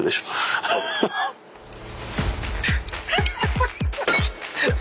ハハハ。